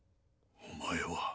お前は。